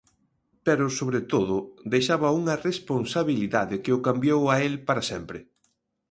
Pero, sobre todo, deixaba unha responsabilidade que o cambiou a el para sempre.